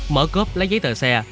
mở cốp lấy giấy tờ xe